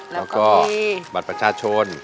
แล้วก็บัตรประชาชน